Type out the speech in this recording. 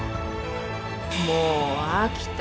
もう飽きた。